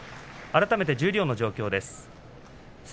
改めて十両の状況です。